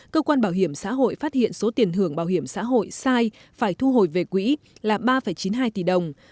cơ quan bảo hiểm xã hội phát hiện số tiền hưởng bảo hiểm xã hội sai phải thu hồi về quỹ là ba chín mươi hai tỷ đồng